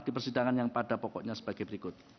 di persidangan yang pada pokoknya sebagai berikut